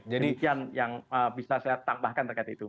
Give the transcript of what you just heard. demikian yang bisa saya tambahkan terkait itu